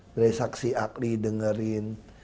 dari saksi akli dengerin